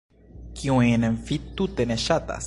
Kiujn vi tute ne ŝatas?